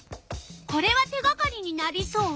これは手がかりになりそう？